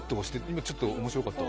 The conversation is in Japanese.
今ちょっと面白かった。